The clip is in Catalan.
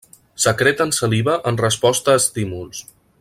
Secreten saliva en resposta a estímuls.